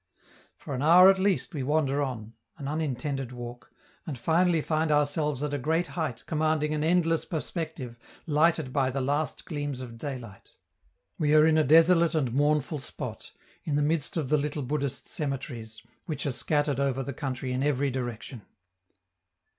For an hour at least we wander on an unintended walk and finally find ourselves at a great height commanding an endless perspective lighted by the last gleams of daylight; we are in a desolate and mournful spot, in the midst of the little Buddhist cemeteries, which are scattered over the country in every direction.